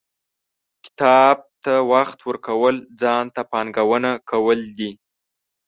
• کتاب ته وخت ورکول، ځان ته پانګونه کول دي.